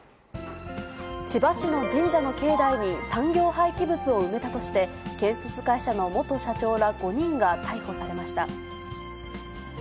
千葉市の神社の境内に産業廃棄物を埋めたとして、建設会社の元社長ら５人が逮捕されました。